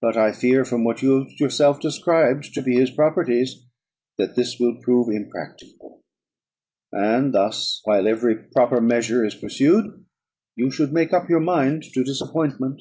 But I fear, from what you have yourself described to be his properties, that this will prove impracticable; and thus, while every proper measure is pursued, you should make up your mind to disappointment."